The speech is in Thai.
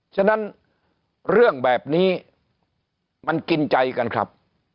ฉะนั้นเรื่องแบบนี้มันกินใจกันครับ